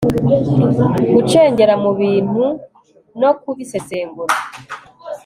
gucengera mu bintu no kubisesengura